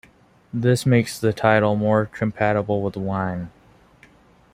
This makes the title more compatible with Wine.